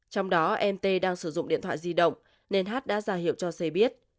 trong đó mt đang sử dụng điện thoại di động nên h đã ra hiệu cho xe biết